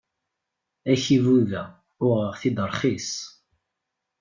Akebbuḍ-a uɣeɣ-t-id rxis.